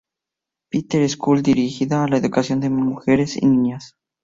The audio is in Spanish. Peter's School dirigida a la educación de mujeres y niñas.